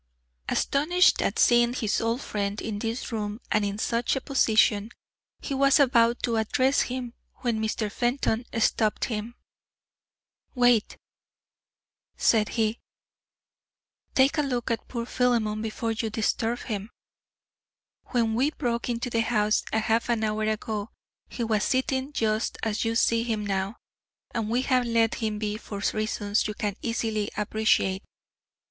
Astonished at seeing his old friend in this room and in such a position, he was about to address him, when Mr. Fenton stopped him. "Wait!" said he. "Take a look at poor Philemon before you disturb him. When we broke into the house a half hour ago he was sitting just as you see him now, and we have let him be for reasons you can easily appreciate.